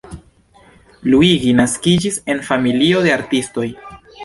Luigi naskiĝis en familio de artistoj.